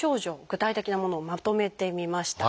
具体的なものをまとめてみました。